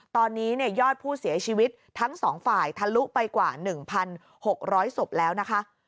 ตอนนี้ยอดผู้เสียชีวิตทั้ง๒ฝ่ายทะลุไปกว่า๑๖๐๐ศพแล้วนะคะ